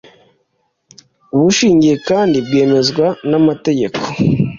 bushingiye kandi bwemezwa n’Amategeko,